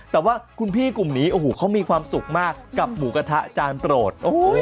แต่ว่าคุณพี่กลุ่มนี้โอ้โหเขามีความสุขมากกับหมูกระทะจานโปรด